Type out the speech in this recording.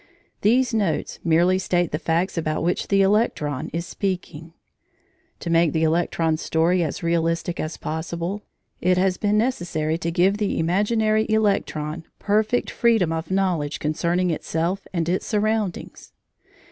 These notes merely state the facts about which the electron is speaking. To make the electron's story as realistic as possible, it has been necessary to give the imaginary electron perfect freedom of knowledge concerning itself and its surroundings.